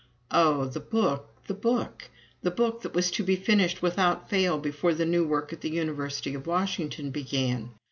Oh! the Book, the Book the Book that was to be finished without fail before the new work at the University of Washington began!